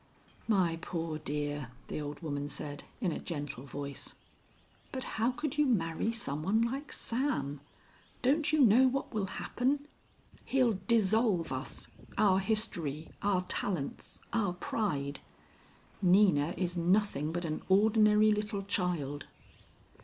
"My poor dear," the old woman said in a gentle voice. "But how could you marry someone like Sam? Don't you know what will happen? He'll dissolve us, our history, our talents, our pride. Nina is nothing but an ordinary little child."